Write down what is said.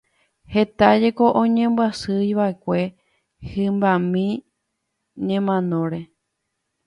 Heta jeko oñembyasyva'ekue hymbami ñemanóre.